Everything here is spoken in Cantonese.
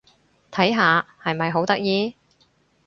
睇下！係咪好得意？